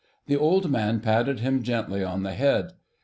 The old man patted him gently on the head.